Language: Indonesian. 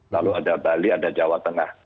lalu ada bali ada jawa tengah